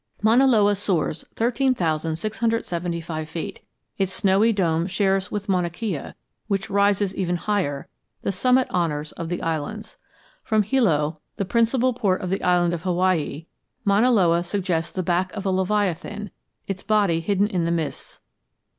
Mauna Loa soars 13,675 feet. Its snowy dome shares with Mauna Kea, which rises even higher, the summit honors of the islands. From Hilo, the principal port of the island of Hawaii, Mauna Loa suggests the back of a leviathan, its body hidden in the mists.